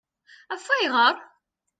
Af ayɣeṛ?